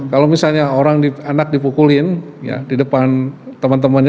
kalau misalnya orang anak dipukulin di depan teman temannya